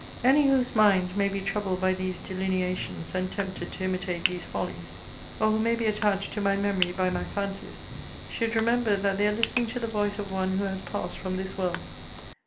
Any whose minds may be troubled by these delineations, and tempted to imitate these follies, or who may be attached to my memory by my fancies, should remember that they are listening to the voice of one who has passed from this world.